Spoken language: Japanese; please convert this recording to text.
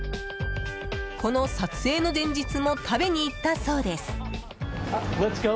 この撮影の前日も食べに行ったそうです。